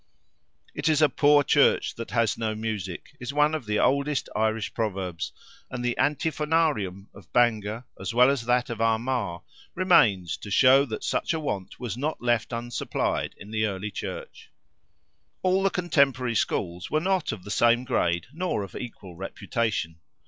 "It is a poor Church that has no music," is one of the oldest Irish proverbs; and the Antiphonarium of Bangor, as well as that of Armagh, remains to show that such a want was not left unsupplied in the early Church. All the contemporary schools were not of the same grade nor of equal reputation.